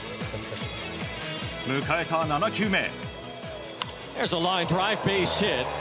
迎えた７球目。